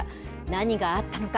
何があったのか。